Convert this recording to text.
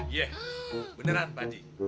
iya beneran pak ji